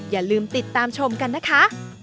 อย่าลืมติดตามชมกันนะคะ